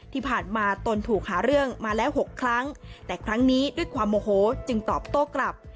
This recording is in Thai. ที่ผ่านมาตนถูกหาเรื่องมาแล้ว๖ครั้งแต่ครั้งนี้ด้วยความโมโหจึงตอบโต้กลับ